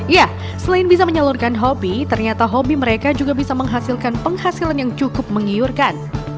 ya selain bisa menyalurkan hobi ternyata hobi mereka juga bisa menghasilkan penghasilan yang cukup menggiurkan